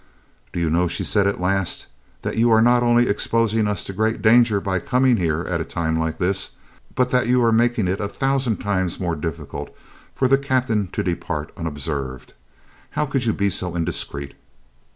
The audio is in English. "Do you know," she said at last, "that you are not only exposing us to great danger by coming here at a time like this, but that you are making it a thousand times more difficult for the Captain to depart unobserved? How could you be so indiscreet?"